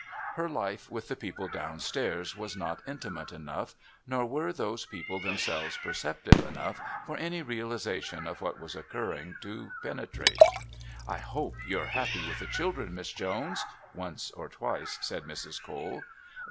Her life with the people downstairs was not intimate enough, nor were those people themselves perceptive enough for any realisation of what was occurring to penetrate. "I hope you're happy with the children, Miss Jones," once or twice said Mrs. Cole.